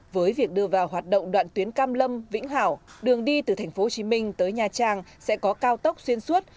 với việc đưa vào hoạt động đoạn tuyến cam lâm vĩnh hảo đường đi từ tp hcm tới nha trang sẽ có cao tốc xuyên suốt